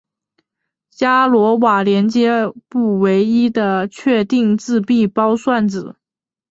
伽罗瓦连接不唯一的确定自闭包算子。